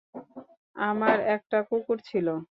আমার একটা কুকুর ছিল।